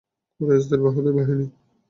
কুরাইশদের বাহাদুর বাহিনী!